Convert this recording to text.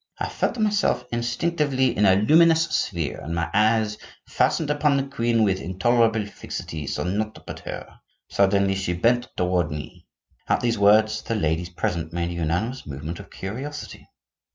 I felt myself, instinctively, in a luminous sphere, and my eyes, fastened upon the queen with intolerable fixity, saw naught but her. Suddenly, she bent toward me." At these words the ladies present made a unanimous movement of curiosity.